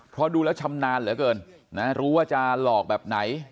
เพราะดูแล้วชำนาญเหลือเกินนะรู้ว่าจะหลอกแบบไหน